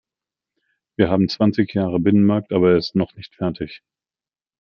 Wir haben zwanzig Jahre Binnenmarkt, aber er ist noch nicht fertig.